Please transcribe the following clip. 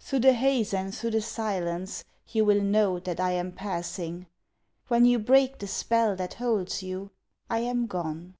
Through the haze and through the silence You will know that I am passing; When you break the spell that holds you, I am gone!